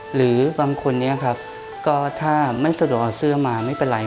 หรือบางคนถ้าไม่สะดวกออกเสื้อมาไม่เป็นไร